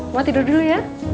mau tidur dulu ya